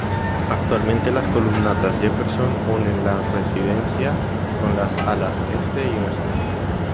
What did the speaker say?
Actualmente las columnatas Jefferson unen la residencia con las Alas Este y Oeste.